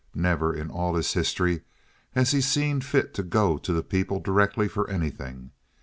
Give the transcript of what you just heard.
Never in all his history has he seen fit to go to the people direct for anything.